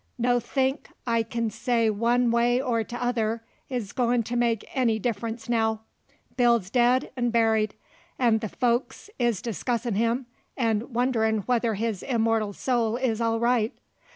Nothink I kin say one way or t'other is goin' to make enny difference now; Bill's dead 'nd buried, 'nd the folks is discussin' him 'nd wond'rin' whether his immortal soul is all right.